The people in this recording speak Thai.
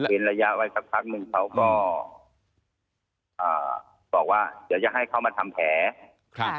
เป็นระยะไว้สักนึงเขาก็บอกว่าเดี๋ยวจะให้เขามาทำแผล